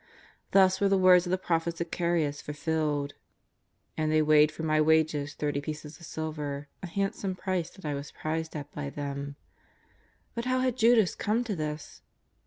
Thus were the words of the prophet Zacharias fulfilled : ^^And they weighed for my wages thirty pieces of silver, a handsome price that I was prized at by them/' How had Judas come to this